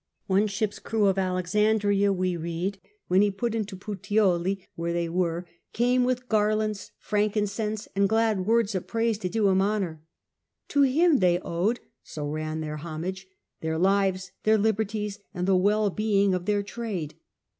One ship^s crew of Alexan RomlThan dria, we read, when he put into Puteoli, »n the pro where they were, came with garlands, frank incense, and glad words of praise to do him honour. ^ To him they owed,' so ran their homage, ^ their lives, their liberties, and the wellbeing of their trade.